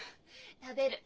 食べる。